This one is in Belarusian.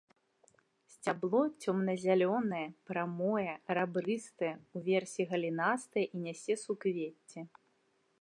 Сцябло цёмна-зялёнае, прамое, рабрыстае, уверсе галінастае і нясе суквецце.